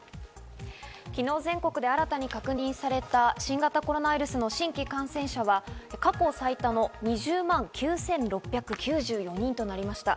昨日、全国で新たに確認された新型コロナウイルスの新規感染者は、過去最多の２０万９６９４人となりました。